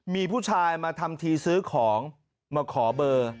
มีผู้ชายมาทำทีซื้อของมาขอเบอร์